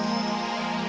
artinya dia berhak